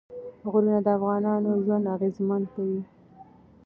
غرونه د افغانانو ژوند اغېزمن کوي.